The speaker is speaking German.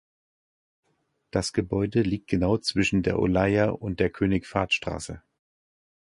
Das Gebäude liegt genau zwischen der Olaya und der König-Fahd-Straße.